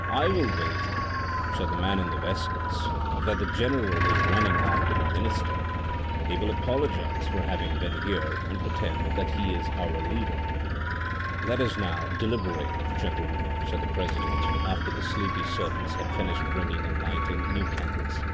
" I will wager," said the man in the waistcoats, " that the general is running after the minister; he will apologise for having' been here and pretend that he is our leader." " Let us now deliberate, gentlemen," said the president, after the sleepy servants had finished bringing and lighting new candles.